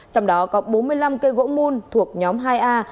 trong đó có bốn mươi năm cây gỗ mùn thuộc nhóm hai a